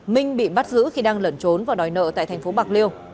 minh bị bắt giữ khi đang lẩn trốn và đòi nợ tại thành phố bạc liêu